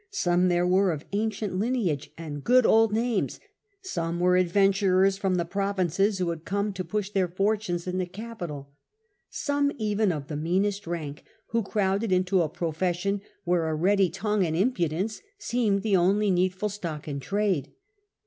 Some there were of ancient lineage and good old names ; some were adventurers from the provinces who had come to push their fortunes in the capital, some even of the meanest rank who crowded into a profession where a ready tongue and impudence seemed the only needful stock in trade.